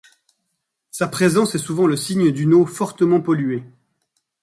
Sa présence est souvent le signe d'une eau fortement polluée.